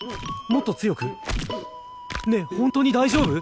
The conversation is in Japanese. もっと強く？ねえほんとに大丈夫？